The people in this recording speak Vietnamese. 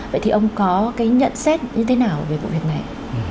vậy thì ông có cái nhận xét như thế nào về vụ việc này